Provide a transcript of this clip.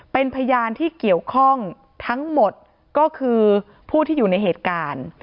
เป็นพยานที่เกี่ยวข้องทั้งหมดก็คือผู้ที่อยู่ในเหตุการณ์